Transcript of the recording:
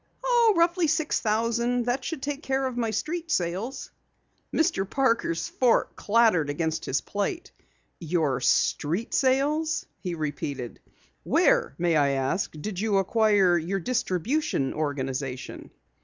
"Oh, roughly, six thousand. That should take care of my street sales." Mr. Parker's fork clattered against his plate. "Your street sales?" he repeated. "Where, may I ask, did you acquire your distribution organization?"